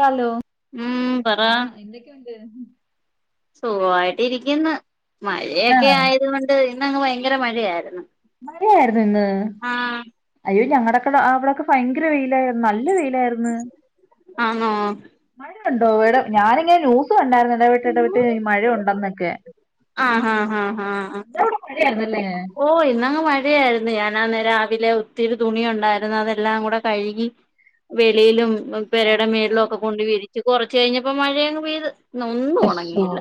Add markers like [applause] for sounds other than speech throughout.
Hello പറ എന്തൊക്കെയുണ്ട് സുഖായിട്ട് ഇരിക്കുന്നു മഴയൊക്കെ ആഹ് ആയത് കൊണ്ട് ഇന്നങ്ങ് ഭയങ്കര മഴയായിരുന്നു മഴയായിരുന്നു ഇന്ന് ആഹ് അയ്യോ ഞങ്ങളടെക്കെ അവിടെൊക്കെ ഭയങ്കര വെയിലായിരുന്നു നല്ല വെയിലായിരുന്നു ആണോ ോ ഇവിടെ ഞാനിങ്ങനെ ന്ൂസ ഉണ്ടായിരുന്ന ഇട വട്ടിടവിട്ട് ഈ മഴയുണ്ടന്നൊക്കെ ആഹ് ആഹ് ആഹ് ആഹ് ആ മഴയായിരുന്നല്ലേ ഓ ഇന്നങ്ങ് മഴയായിരുന്നു ഞൻ ാന്ന രാവിലെ ഒത്തിരി തുണിയ ഉണ്ടായിരുന്നു അതെല്ലാം കൂടെ കഴുകി വെളിയിലും പെരയുടെ ആഹാ മേളൊക്കെ കൊണ്ട് വിരിച്ച് കുറച്ച് കഴിഞ്ഞപ്പോ മഴയ അങ്ങ് പെയ്തു ഇ ഒന്നും അശ്ശോ ഉണങ്ങിയില്ല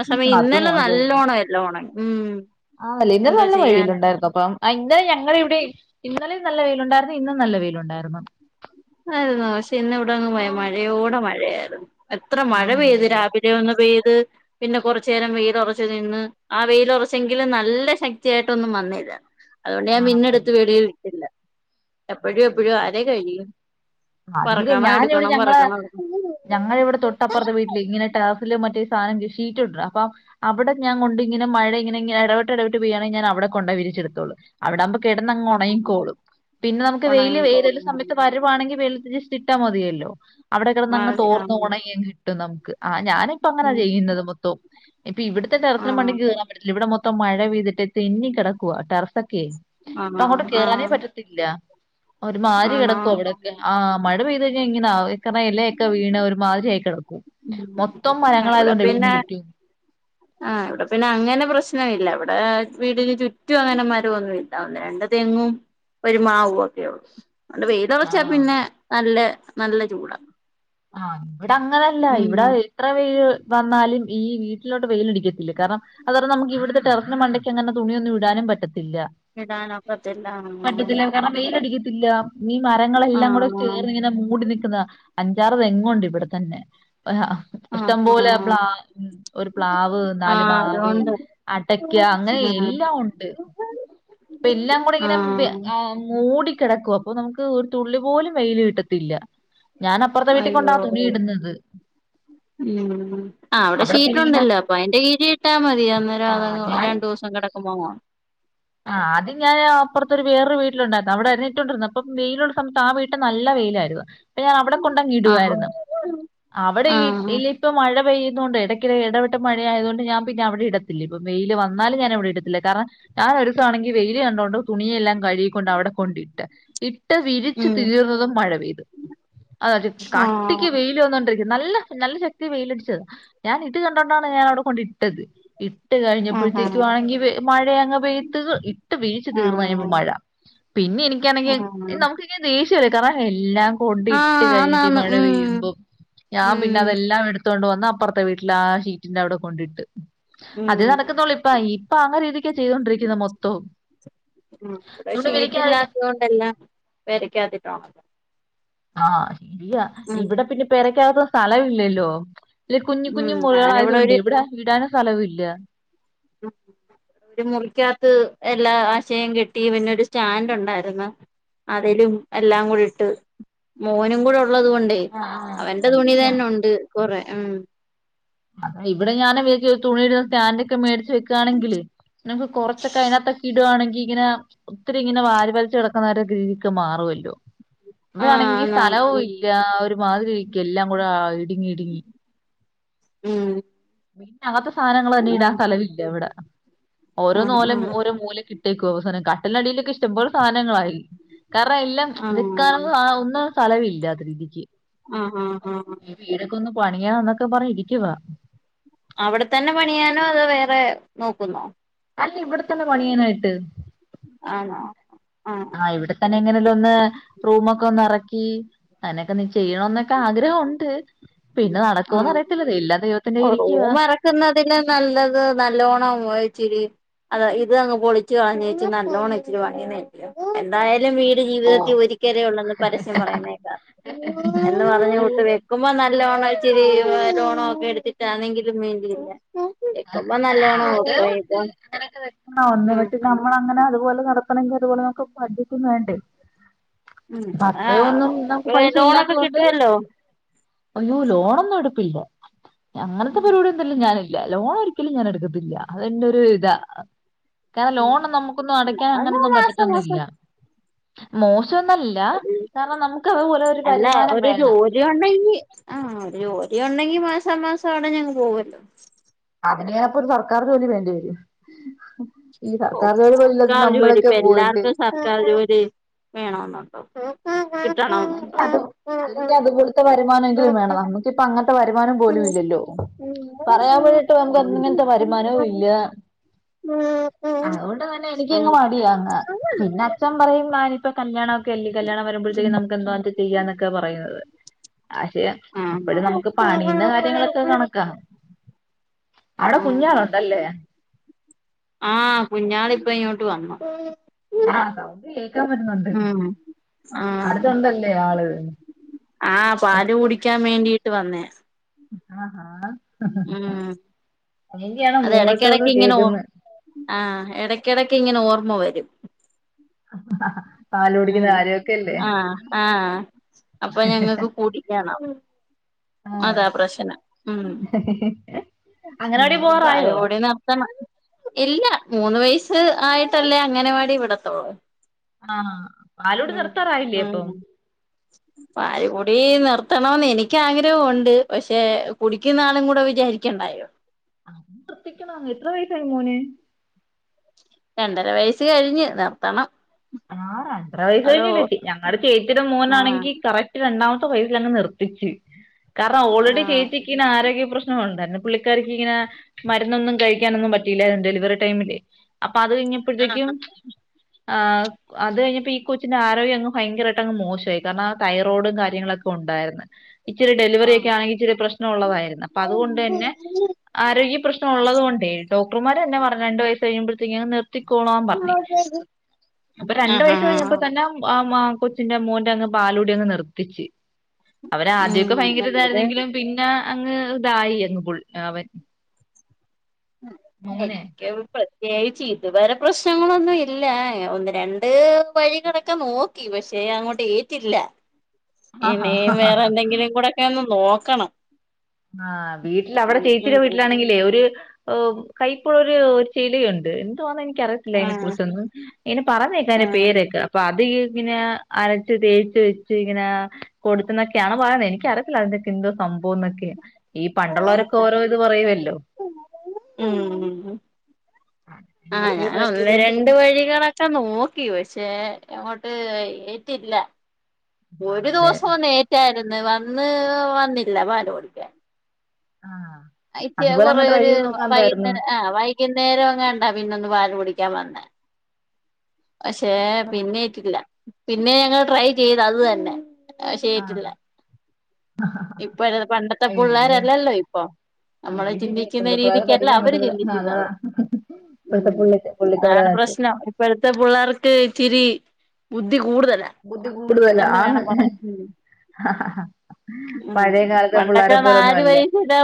ആ സമയം അത് ഇന്നലെ നല്ലോണം എല്ല ഉണങ്ങി ഉം ആ അല്ലേ ഇന്നലെ എന്തോ നല്ല വെഴിൽ ചെയ്യാന ഉണ്ടായിരുന്നു അപ്പൊ ഇന്നെ ഞങ്ങ ഇവിടെ ഇന്നലിൽ നല്ല വെയിയിലുണ്ടായിരുന്നു ഇന്നും നല്ല വെയിലുണ്ടായിരുന്നു ആരുന്നു പക്ഷെ ഇന്ന ഇവിടെങ്ങും പോ ആഹ് മഴയോടെ മഴയായിരുന്നു എത്ര മഴ പെയ്ത് ആണല്ലേ രാവിലെ ഒന്ന് പെയ്ത് പിന്നെ കൊറച്ചു നേരം വെയ്ല്ഉറച്ച്ു നിന്ന് ആ വെയിയില ഉറച്ചെങ്കിലും നല്ല ശക്തിയായിട്ടൊന്നും വന്നേരാ അതുകൊണ്ട് ഞാൻ ആണോ മിന്നെടുത്ത് വെളിയിൽ ഇട്ടില്ല എപ്പോഴും എപ്പഴും ആതേ കഴിയും പറക്കണം ഞാന ഇവിടെ എടുക്കണം ഞങ്ങളെ പറക്കണം എടുക്കണം ഞങ്ങളിവിടെ തൊട്ടപ്പുറത്തെ വീട്ടിൽ ഇങ്ങനെട്ട മറ്റ സാധംഷീറ്റ്ുണ്ട് അപ്പ അവിടെഞാൻ കൊണ്ട ഇങ്ങനെ മഴ ഇങ്ങനെ ഇടവിട്ട് ഇടവിട്ട് പോയാണെങ്കഞാ അവിടെ കൊണ്ടേ വിരിച്ചെടുത്തോളൂ അവിടകുമ്പോ കിടന്നങ് ആഹ് ഉണങ്ങിക്കോളും പിന്നെ നമുക്ക് വെയിൽ ഉണങ്ങിക്കോളും ഏതേലും സയത്ത് വരുവാണെങ്കിൽ വെ ജസ് ഇട്ടാ മതിയല്ലോ അവിടെ കടന്ന്ങ്ങ് തോർന്ന ഉണങ്ങി കിട്ടും നമുക്ക് അ ഞാനിപ്പ അങ്ങനെ ഉം ചെയ്യുന്നത് മൊത്തം ഇപ്പൊ ഇവിടത്തെ ടെറസ്സിൻ്റെ മണ്ടക്ക് ആഹ് കേറാൻ പറ്റത്തില്ല ഇവിടെ മൊത്തം മം മഴ പെയ്തിട്ട് തെന്നി കിടക്കുക ടെറസ ഒക്കെ ആഹ് അപ്പൊ അങ്ങോട്ട് കേയറാനേ ആഹ് പറ്റ ഒരു മാരി ആണോ കിടക്കോ അവിടെ ആ മഴ പെയ്ത എങ്ങനെ ഇലയൊക്കെ വീണ ഒരു മാതിരി ആയി കിടക് ഉം മൊത്തം മരങ്ങളായതൊണ്ട് വീടിന് ചുറ്റും ആ ഇവിടെ പിന്നെ അങ്ങനെ പ്രശ്നം ഇല്ല ഇവിടെ വീടിന് ചുറ്റും അങ്ങനെ മരമൊന്നും ഇല്ല ഒന്ന് രണ്ട് തെങ്ങും ഒരുമാവു 'ഒക്കെയള്ളൂ അതോണ്ട് വെയിലറച്ചാ ആഹ് പിന്നെ നല്ല നല്ല ചൂടാണ് ആഹ ഇവിടെ അങ്ങനല്ല ഇവിടെ എത്ര വെയിൽ വന്നാലും ഈ വീട്ടിലോട്ട വെയിലടിക്കത്തില്ല കാരണം അതോാര നമുക്ക് ഇവിടുത്തെ ടെറസിന് മണ്ടക്ക് അങ്ങെ തുണിയന്നും ഇടാനും പറ്റത്തില്ല ഇല്ല ഇടാനൊക്കത്തില്ല പറ്റത്തില്ല കാരണം വെയിലടി ഇല്ല ഈ മരങ്ങളെല്ലാം കൂടെ ആഹ് ചേർന്നിങ്ങനെ മൂടി നിക്കുന്ന ഞ്ചാറ് തെങ്ങുണ്ട് ഇവിടെത്തന്നെ ആഹ് ഇഷ്ടം പോലെ ആഹ് പ്ലാവ് ഒരു പ്ലാവ് നാല് ആഹ് മാവ് അതുകൊണ്ട് അടക്ക അങ്ങനെ ആഹ് എല്ലാം ഉണ്ട് അപ്പ എല്ലാം കൂടെ ഇങ്ങനെ ആഹ് മൂടിക്കിടക്കും അപ്പൊ നമുക്ക് ഒരു തുള്ളി പോലും വെയില് കിട്ടത്തില്ല ഞാൻ അപ്പുറത്തെ വീട്ടിക്കൊണ്ടാ തുണി ഇടുന്നത് ഉ ആ അവിടെ പിന്നെ ഇങ്ങനെ ഷീറ്റുണ്ടല്ലോ അപ്പൊ അതിന്റെ കീഴിട്ടാ മതി അന്നരാ ആ രണ്ടു ദിവസം കിട [unintelligible] ആഹ് അത് ഞാൻപ്പറത്തൊ വേറെ വീട്ടിലണ്ടായിരുന്നു അവിടെ അറിഞ്ഞിട്ടുണ്ടരരുന്നു അപ്പ വെയിയിലുള്ള സമയത്ത് ആ വീട്ട നല്ല യിലാർന്നു ഞൻ അവിടെ കൊണ്ടങ് ആഹ് ഇടായിരുന്നു അവിടെ ആഹ് ഇപ്പ മഴ പെയ്യ ഇതൊണ്ട് ഇടയ്ക്ക ഇടവിട്ട മഴായത് കൊണ്ട് ഞാൻ പിന്നെ അവിടെടത്തില്ലിപ്പോ വെയില് വന്നാലും ഞാന അവിടെ ഇടത്തില്ല കാരണം ഞാൻ ഒരുസം ആണെങ്കി വെയിൽ കണ്ടോണ്ട് തുണിയെല്ലാം കഴുകിക്കൊണ്ട് അവിടെ കൊണ്ടിട്ട് ഇട്ട് വിരിച്ച് ഉം തീർന്നതും മഴ പെയ്തു അത കട്ടിക്ക് ആഹ് വെൽ വന്നണ്ടി നല്ല നല്ല ശക്തി വെയിലടിച്ചത് ഞാൻ ഇട്ട് കണ്ടൊണ്ടാണ് ഞാനവി ട്ടത് ഇട്ട് കഴിഞ്ഞപ്പോഴത്തേക്ക ആഹ് വണെങ്കിൽ മഴ ഇട്ട് വീഴ്ച്ച് തീർന്ന് കഴിയ്ഞാപോ ആഹ് മഴ പിന്നെ എനിക്കാണെങ്ക നമുക്ക് ഇങ്ങനെ ദേഷ്യ എല്ലാം കൊണ്ട ആ ഇട്ട് കഴിഞ്ഞിട്ട് ഈ ആന്നാന്ന് മഴ ഉം പെയ്യുമ്പം ഞാൻ പിന്നെ ഉം അതെല്ലാം എടുത്തൊണ്ട് അ അപ്പുറത്തെ വീട്ടിൽ ആ ഷീറ്റിന്റെ അവിടെ കൊണ്ടിട്ട് ഉം അത് നടക്കുന്നുള്ളൂ ഇപ്പ ഇപ്പൊ അങ്ങനെ രീതിക്ക ചെയ്തൊണ്ടിരിക്കുന്ന മൊത്തവും ഉ ഇവിടെ തുണി ഷീറ്റ് വിരിക്കാൻ ഇല്ലാത്തത് കൊണ്ട എല്ലാം പെരകക്കത്തിട്ട് ഉണക്ക ആഹ് ശരിയാ ഇവിടെ പിന്നെ പെരക്കകത്ത് സ്ഥലമില്ലല്ലോ അല്ല കുഞ്ഞു ഉം കുഞ്ഞു ഞാനിവിടെ മുറികളായതോണ്ടെ ഒരു ഇവിടെ ഇടാനും സ്ഥലവൂല്ല ഉം ഒരു മുറിക്കാത്ത് എല്ലാ ആശയം കിട്ടി പിന്നൊരു സ്റ്റാൻഡ് ഉണ്ടായിരുന്നു അതിലും എല്ലാം കൂടി ഇട്ട് മോനും കൂടെ ഉള്ളത് കൊണ്ടേ അവന്റെ അത് തുണി ശരിയാ തന്നെ ഉണ്ട് കൊറെ ആ ഇവിടെ ഞാന് തുണിയിടുന്ന സ്റ്റാൻഡോക്കെ മേടി വെക്കുവാണെങ്കില് നമുക്ക് കുറച്ചൊക്കെ അതിനാത്തൊക്കെ ഇടുവാണെങ്കിൽ ഇങ്ങനെ ഒത്തിരി ഇങ്ങനെ വാരിവലിച്ച് കിടക്കുന്ന ഒരു രീതിയൊക്കെ മാറൂല്ലോ ആ ഇവിടൊണെങ്കി സ്ഥലവും ആന്നാന്ന് ഉം ഇല്ല ഒരുമാതിരി ഇരിക്കാ എല്ലാം കൂടെ ഇടുങ്ങി ഇടുങ്ങി ഉം പിന്നെ അങ്ങത്തെ സാധനങ്ങൾ തന്നെ ആ ഇടൻ സ്ഥലവില്ല ഇവിടെ ഓരോ ആ നോല ഓരോ ആ മൂലക്കിട്ടേക്കുവാ അവാസാനം കട്ടിനടിയിലൊക്കെ ഇഷ്ടംപോലെ സാധനങ്ങളായി കാരണം എല്ലാം ആ നിൽക്കാനൊന്നും ഒന്നാതെ സ്ഥലവില്ല ആഹ് ഹാഹാ പണിയാ ന്നൊക്കെ പറഞ്ഞിരിക്കുവ അവിടെ തന്നെ പണിയാണോ അതൊ വേറെ നോക്കുന്നോ അല്ല ഇവിടെത്തന്നെ പണിയാനായിട്ട് ആണോ. ആഹ് എങ്ങനെലൊന്ന് റൂമൊക്കെ ഒന്നിറക്കി അങ്ങനൊക്കെ ഒന്ന് ചെയ്യണോന്നൊക്കെ ആഗ്രഹോണ്ട്... പിന്നെ നടക്കുവോന്ന് അറിയത്തില്ല. എല്ലാ ദൈവ ഓ റൂം എറക്കുന്നതിലും നല്ലത് നല്ലോണം വെ ഇച്ചിരി അതെ ഇതങ്ങ് പൊളിച്ച് കളഞ്ഞേച്ച് നല്ലോണം ഇച്ചിരി പണിയുന്ന എന്തായാലും വീ ട് ജീതത്തിൽ ഒരിക്കലെ ഉള്ളെന്ന് പരസ്യം പറയുന്നേക്കാം എന്ന്‌ പറഞ്ഞകൂട്ട് വെക്കുമ്പോ നല്ല ല്ലോണച്ചിരി ലോണോ ഒക്കെ എടുത്തിട്ട് ആണെങ്കിലും വേണ്ടിയില്ല... വെക്കുമ്പോ നല്ലോണം അത് വെക്കുവ ഇപ്പൊ ഇത് അങ്ങനൊക്കെ നിക്കുന്നെ ഒന്ന് ഉം പക്ഷെ നമ്മളങ്ങനെ അതുപോലെ നട [unintelligible] ഉം ആഹ് അത്രയൊന്നും നമുക്ക് ഇപ്പ പൈസ ലോണൊക്കെ ഇല്ലാത്തതോണ്ട്. കിട്ടുവല്ലോ അയ്യോ ലോണൊന്നും എടുപ്പില്ല അങ്ങനത്തെ ഉം പരിപാടിയൊന്നിലും ഞാനി ലോണ് ഒരിക്കലും ഞാൻ എടുക്കത്തില്ല അതെന്റൊരു ഇതാ കാരണം ലോൺ നമുക്കൊന്നും അടക്കാൻ ഉം അങ്ങനൊന്നും മാസം മാസം പറ്റത്തൊന്നുംല്ല. മോഷ് ഒരു അല്ല വരുമാനം ഒരു വേണം. ജോലി ഉണ്ടെങ്കി ആഹ് ഒരു ജോലി ഉണ്ടെങ്കി മാസാമാസം അടഞ്ഞങ്ങ് പോകുവല്ലോ അതിനയപ്പൊ സർക്കാർ ജോലി വേണ്ടി വെരും ഓ സർക്കാർ ജോലി ഇപ്പൊ പോയിട്ട് എല്ലാർക്കും സക്കാർ ജോലി വേണോന്ന്ണ്ടോ അല്ലെങ്കി അത് അല്ലെങ്കി അതുപോലത്തെ വരുമാനം എങ്കിലും വേണം നമ്മുക്കിപ്പം അങ്ങനത്തെ വരുമാനം പോലും ഇല്ലല്ലോ പറയാൻ വേണ്ടിട്ട് നമുക്ക്ങ്ങനത്തെ വരുമാനവും. ഇല്ല അത്‌കൊണ്ട്തന്നെ എനിക്കങ്ങ് മടിയാന്ന്‌ പിന്നെ അച്ഛൻ പറയും മാനിപ്പ കല്യാണൊക്കെ അല്ലെ കല്യാണം വരുമ്പോഴത്തേക്കും നമുക്കെന്തുവാന്ന്‌ വെച്ചാ ചെയ്യാന്നൊക്കെ പറയുന്നത്. പക്ഷെ അപ്പഴും നമുക്ക് ആഹ് പണീന്ന കാര്യങ്ങളൊക്കെ കണക്കാ അവടെ കുഞ്ഞാളുണ്ടല്ലേ ആഹ് കുഞ്ഞാളിപ്പിങ്ങോട്ട് വന്നു ആഹ് സൗണ്ട് കേക്കാൻ പറ്റുന്നുണ്ട് ഉം ആഹ് അടുത്തൊണ്ടല്ലേ ആള് ആഹ് പാല് എനിക്ക് കുടിക്കാൻ വേണ്ടിട്ട് വന്നേയാ ആഹ്ഹാ ഉം. മൂളക്കമൊക്കെ അതെടയ്ക്കിടയ്ക്കിങ്ങനെ ഓർ കേക്കുന്ന് ആ എടക്കെടക്കിങ്ങനെ ഇങ്ങനെ ഓർ മ്മ വരും [unintelligible] ഉം കാര്യമൊക്കെ അല്ലേ ആ. ആ അപ്പൊ. ഞങ്ങക്ക് കൂടിക്കണം ആഹ് അതാ പ്രശ്നം. മ്മ് അങ്ങനവാടി മ്മ്. പോവാറായോ പാൽകുടി. നിർത്തണം. ഇല്ല മൂന്ന്. വയസ്സ്. ആയിട്ടല്ലേ അങ്ങനെവാടി ഇവിടത്തോളൂ ആഹ് പാലുകുടി ഉ നിർത്താറായില്ലേ അപ്പം ഉ പാൽ കൂടി [unintelligible] കുടി. നിർതണോന്ന്. എനിക്ക ആഗ്രഹോണ്ട്. പഷേ. കുടിക്കുന്ന ആളും കൂടെ വിചാരിക്കണ്ടായോ അ നിർത്തിക്കണ. എത്ര വയസായി മോൻ രണ്ടര. വയസ്സ്. കഴിഞ്ഞ്. നിർത്തണം ആ രണ്ടര. വയസ്സ് അതോ കഴിഞ്ഞിലേ. ഞങ്ങടെ ചേച്ചിടെ. ആഹ് മോനാണെങ്കി കറക്റ്റ് രണ്ടാമത്തെ വയൽ അങ്ങ് നിർത്തിച്. കാരണം. ഓൾറെഡി ആഹ് ചേച്ചിക്ക്. ന. ആരോഗ്യ പ്രശ്നംഉണ്ട [unintelligible] പുള്ളികാരിക്. ഇങ്ങനെ. മരുന്നൊന്നും കഴിക്കാനൊന്നും. പറ്റിയില്ലാ. ഡെലിവറി ടൈമില്. അപ്പൊ പ്പ. അത് കഴിഞ്ഞപ്പോഴത്തേക്കും ആ അത് ഴിഞ്ഞപ്പോ ഈ കൊച്ചിന്റെ ആരോഗ്യ അങ്ങ് ഫയങ്കരയിട്ട്ങ് മോശായി കാരണം ആ തൈറോഡു കാര്യങ്ങളൊക്കെ. ഉണ്ടായിരുന്നു... ഇച്ചിരി ഡെലിറി ഒക്കെ ആഹ് ആയി ഇച്ചിരി പ്രശ്നം ഉള്ളതായിരുന്നു പ്പൊ അതുകൊണ്ട്ന്നെ. ആരോഗ്യ പ്രശ്നം ഉള്ളത് കൊണ്ടേ ഡോക്ടർമാര് എന്നെ പറഞ്ഞു രണ്ടു വയസ് കഴിയുമ്പോഴത്തേക്ക അങ് നിർത്തിക്കോണന്ന് പറഞ്ഞഞ് അപ്പൊ രണ്ട് ആഹ് വയസ് ആഹ് കിഞ്ഞപ്പോ തന്നെ് കൊച്ചിന്റെ മോന്റെ അങ്ങ് പാലുടി അങ്ങ് നിർത്തിച്ച് അവരദ്യമൊക്കെ ഉം ഭയങ്കര അവിടെ ഇതായിരുന്നെങ്കിലും പിന്നെ അങ്ങ് ഇതായി അവൻ [unintelligible] ഉ മോനെ എനിക്ക് [unintelligible] ചേച്ചി ഇതുവേരെ പ്രശ്നങ്ങളൊന്നും ഇല്ല ഒന്ന് രണ്ട് വഴിക്കളൊക്കെ നോക്കി പക്ഷെ അങ്ങോട്ട് ഏറ്റില്ല ആഹാ ഇനി വേറെ എന്തെങ്കിലും കൂടെയൊക്കെ ഒ നോക്കണം ആ വീട്ടിൽ അവിടെ ഉം ചേച്ചിടെ ഉം വീട്ടിലാണെങ്കിലേ ഒരു കൈപ്പുള്ള ഒരു ചെടിയുണ്ട് എന്തോന്ന എനി എനിക്കറിയില്ല അതിനെ ആഹ് കുറിച്ചൊന്നും പറഞ്ഞേക്കാം അതിന്റെ ആഹ് പേരക്കെ അപ്പൊ അത് ഇങ്ങനെ അരച്ച് തേച്ച് വെച്ച് ഇങ്ങനെ കൊടുത്തന്നൊക്കെയാാണ് പറയുന്നത് എനിക്ക അറിയത്തില്ല അതിക്കെ എന്തോം സംഭവന്നൊക്കെ ഈ പണ്ടുള്ളോരൊക്കെ ഓരോ ഇത് പറയുവല്ലോ ഉം ഉ ആ എന്തൊക്കെ ഞാൻ ട്രൈ ഒന്ന് ചെയ്തേന്ന് രണ്ട് തോന്നുന്നു വഴികളൊക്കെ നോക്കി പക്ഷേ എങ്ങോട്ട് ഏറ്റില്ല ഒരു ആണല്ലേ ദിവസം ഒന്ന് ഏറ്റായിരുന്നു വന്ന് വന്നില്ല പാലോടിക്കാൻ ആഹ് അതുപോലെ അങ്ങ് കൊറേ ട്രൈ ഒരു ചെയ്ത് നോക്കാന്തായിരുന്നു വൈകുന്നേരം ആഹ് വൈകുന്നേരം അങ്ങ ഉണ്ടാ പിന്ന ഒന്ന് പാല് കുടിക്ക [unintelligible] കാൻ വന്നു പക്ഷേ പിന്നേട്ടില്ല പിന്നെ ഞങ്ങൾ ട്രൈ ചെയ്ത് അത് തന്നെ ആ ശേട്ടില്ല ആഹ് ഇപ്പൊ പണ്ടത്തെ അയ്യോ പിള്ളോരല്ലല്ലോ ഇപ്പൊ നമ്മള് ശരി ശരി ചിന്തിക്കുന്ന ഇപ്പഴത്തെ പിള്ളേരെ രീതിക്കല്ല പറ്റിക്കാൻ അവര് പറ്റത്തില്ല അതാ ചിന്ദിക്കുന്നത് ഇപ്പഴത്തെ ഉം പുള്ളി പുള്ളിക്കാരാ അതാണ് പ്രശ്നം ഇപ്പോഴത്തെ പിള്ളേർക്ക് ഇച്ചിരി ബുദ്ധി കൂടുതലാ ബുദ്ധി കൂടുല്ല എന്ന് അന്ന് വേണം പറയാൻ ഉം ഉം പണ്ടൊക്കെ നാല് അല്ല വയസില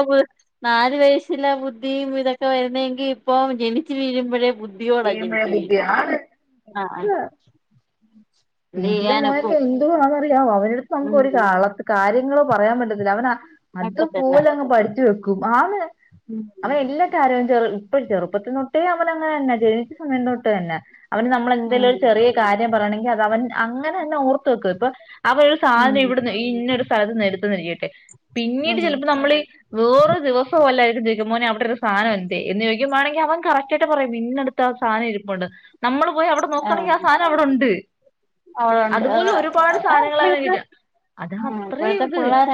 നാല് വയസില ബുദ്ധിയും ഇതൊക്കെ വരുന്നതെങ്കി ഇപ്പം ജനിച്ചു വീഴ്പോഴേ ബുദ്ധിയോടാ വീഴുമ്പഴേ ജനിച്ചു ബുദ്ധി വിഴുന്നേ ആണ് ആ എന്ത് ചെയ്യാനൊക്കും മോയൊക്കെ എന്തുവാണെന്നറിയോ അവനടുത്ത് നമുക്ക് ഉം ഒരു ക കാര്യ ങ്ങൾ പറയാൻ പറ്റത്തില്ല അവന ഒക്കത്തില്ല അതുപോലെ അങ്ങ് പഠിച്ചു വെക്കും ആ ഉം അവൻ ഉം എല്ലാ കാര്യവും ച ചെറുപ്പത്തിന്നൊട്ടേ അവന അങ്ങന തന്നെ ജനിച്ച സമയം തൊട്ട് തന്നെ അവന് നമ്മളെന്തെങ്കലും ഒരു ചെറിയ കാര്യം പറയണമെങ്കിൽ അത് അവൻ അങ്ങനെ തന്നെ ഓർ ഇപ്പൊ അവൻ ഒരു ഉം സാധനം ഇവിടെ ഇന്ന ഒരു സ്ഥലത്ത് നിർത്തുന്നരിക്കട്ടെ പിന്നീട് ഉം ചിലപ്പോ നമ്മള് വേറൊ ദിവസം പോല്ല മോനെവിടെ ഒരു സാധന എന്ത് എന്ന് ചോയി ക്കുവാണെങ്ക അവൻ കറക്ട് ആായിട്ട് പറയാം ഇന്നടുത് ആ സാധനം ഇരിപ്പുണ്ട് നമ്മള് പോയി അവിടെ ആഹ് നോക്കണെങ്കിൽ ആ സാധനം അവിടെ ണ്ട് അവളുണ്ട് അതാ അ അവന് ഇപ്പോഴത്തെ കിട്ടും അത് ഉ അത്രയും ഇപ്പോഴത്തെ ഇത് പിള്ളോര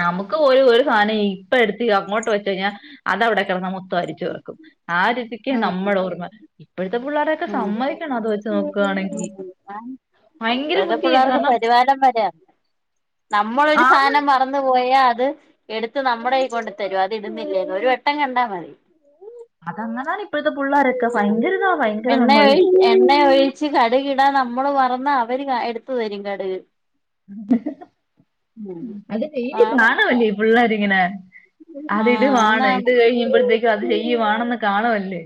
നമുക്ക് ഒരു സാധനം ഇപ്പ എടുത്ത് അങ്ങോട്ട് വെച്ച് കഴിഞ്ഞാൽ അത അവിടെ കിടന്ന മൊത്തോം അരിച്ചു പൊറുക്കും ആ രതിക്ക് ഉം നമ്മുടെ ഓർമ്മ ഇപ്പോഴത്തെ പിള്ളോരൊക്കെ ഉം സമ്മതിക്കണം അത് വെച്ച് നോക്കുകയാണെങ്കിൽ ഇ ഇപ്പോഴത്തെ പിള്ളേർക്ക് പരിവാടിണ്ടാണെന്ന്റിയോ നമ്മളൊരു ആന്ന് സാധനം മറന്നു പോയാ അത് എടുത്തത്ത് നമ്മുടെ കൊണ്ട് തരും അത് ഇടുന്നില്ലേന്ന് ഒരു വട്ടം കണ്ടാ മതി അതങ്ങനാണ് ഇപ്പ ആ എണ്ണയ ഒഴിച് എണ്ണയ ഒഴിച്ച് കടുകിടാ നമ്മള് തുറന്നാ അവര് എടുത്തു തരും കടക് [inaudible] അത് ചെയ്യുന്നത് അതാണ് കാണല്ലേ പിള്ളാരങ്ങനെ അത് ഇത് ആഹ് വാണം ആന്നാന്ന് ഇത് കഴിയുമ്പഴത്തേക്കും അത് ചെയ്യുവാണന്ന് ഉം കാണല്ലേ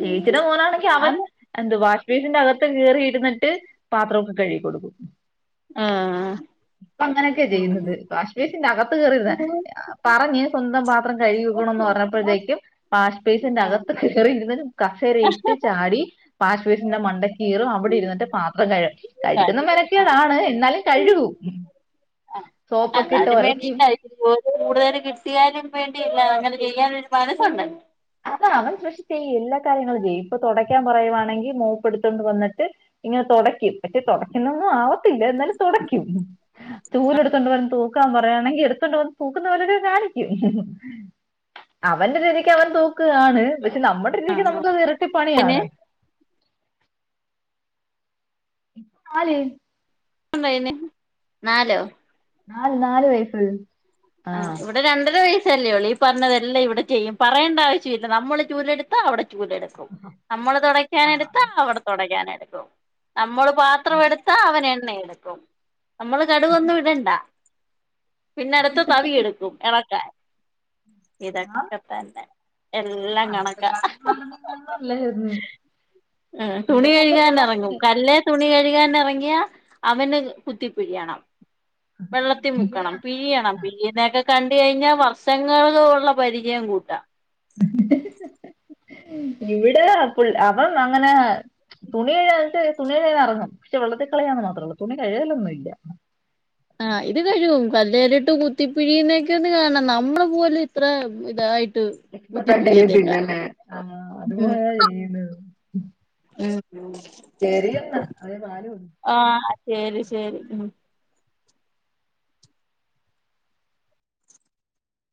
ചേച്ചിന് മോനാണെങ്കിൽ അവൻ ആന്ന് എന്ത് വാശി വീടിന്റെ അകത്ത് കയറിയിരുന്നിട്ട് പാത്രമൊക്കെ കഴുകികൊടുക്കും ആഹ ഇപ്പ അങ്ങനെയൊക്കെയാ ചെയ്യുന്നത് വാഷ് വൈസ്ന്റെ അകത്ത് കയറിഇരുന്ന് പറഞ്ഞ സ്വന്തം പത്രം കഴുകണന്ന് പറഞ്ഞപ്പോഴത്തേക്കും വാഷ്പേസിന്റെ ആഹ് ആഹ് അകത്ത് കയറിയിരുന്ന് കസേര ഇട്ട് ചാടി വാഷ്‌പേസിൻ്റെ മണ്ട കീറ അവിടെ ഇരുന്നിട്ട് പത്രം കഴും കഴിക്കുന്ന മനക്കാണ് [unintelligible] എന്നാലും കഴുകൂ അ അതിനും വേണ്ടില്ല കൂടുതൽ കിട്ടിയാലും വേണ്ടി ല്ല അങ്ങനെ ചെയ്യാനൻഒരു മനസ്സുണ്ടലോ അ അവൻ പക്ഷെ ചെയ്യും എല്ലാ കാര്യങ്ങളും ചെയ്യും ഇപ്പൊ തുടയ്ക്കാൻ പറയുകവാണെങ്കിൽ മോപ്പ്‌ എടുത്തുകൊണ്ട് വന്നിട്ട് ഇങ്ങനെ തുടക്കും പക്ഷെ തുടയ്ക്കുന്നൊന്നും ആവത്തില്ല എന്നാലും തുടക്കും ചൂല് എടുത്തൊണ്ട് വന്നു തൂക്കാൻ പറ എടുത്തണ്ട തൂക്കുന്ന പോലൊ കാണിക്കും അവന്റെരീതിക്ക് അവൻ തുക്ക ആണ് പക്ഷെ നമ്മുടെ രീതിക്ക് ആഹ് നമുക്ക്ത് ഇരട്ടിപ്പണിയാണ് ആല് [unintelligible] ണ്ടായിന്ന നാലോ നാല് നാല് വയസ്സ ആ ഇവിടെ രണ്ടര വയസ്സ് ല്ലേയള്ളൂ. ഈ പറഞ്ഞതെല്ലാം ഇവിടെ ചെയ്യും പറയേണ്ട ആവശ്യമില്ല നമ്മള് ചൂലെടുത്തൽ അവിടെ ചൂലടുക്കും. നമ്മള് തുടക്കാന എടുത്താ ആഹ് അവിടെ തുടക്കാന എടുക്കും നമ്മൾ പാത്രം എടുത്താ അവന എണ്ണ എടുക്കും നമ്മള് കടുകൊന്നും ഇടണ്ട പിന്ന അടുത്ത് തവിയെടുക്കും ഇളക്കാൻ ഇതൊക്കെത്ത പഞ്ഞത്തൊങ്ങന്നല്ലായിരുന്നു ആ തുണി കഴുകാൻ ഇറങ്ങും കല്ലേ തുണി കഴ ൻ ഇറങ്ങിയാ അവന് കുത്തി പിഴിയണം വെള്ളത്തി ഇവിടെ മുക്കണം പിഴിയണം ആഹ് അതൊക്കെ കണ്ട് കഴിഞ്ഞാൽ വർഷങ്ങൾ ഉള്ള പരിചയം കൂട്ടാം ഇവിടെ അങ്ങനെ തുണിഴിട്ട് തുണിഴന്ന് ഇറങ്ങണം പക്ഷെ വെള്ളത്തി കളിയാന്ന് മാത്രമള്ള തുണി കഴുകലൊന്നുമ ഇല്ല ആഹ ഇത് കഴിവും കല്ലേലിട്ട് കുത്തിപ്പിഴീുന്നക്കെ ഒന്ന് കാണണം നമ്മള പോലെ ഇത്ര ഇതായി് തണ്ടല് പിന്നല്ലെ ആ ഉം അതുപോല ചെയ്യുന്നു ഉം ശരി എന്നാ അവന് പാൽ കൊടുക്ക് ആഹ് ശരി ശരി ഉം